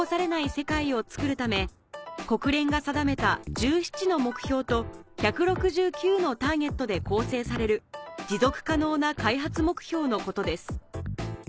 １７の目標と１６９のターゲットで構成される「持続可能な開発目標」のことです